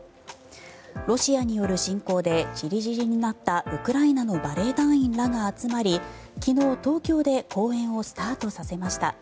ロシアによる侵攻で散り散りになったウクライナのバレエ団員らが集まり昨日、東京で公演をスタートさせました。